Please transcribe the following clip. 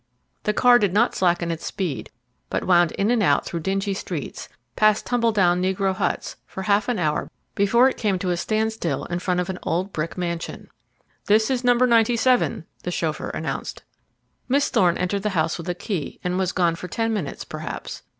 The car did not slacken its speed, but wound in and out through dingy streets, past tumble down negro huts, for half an hour before it came to a standstill in front of an old brick mansion. "This is number ninety seven," the chauffeur announced. Miss Thorne entered the house with a key and was gone for ten minutes, perhaps.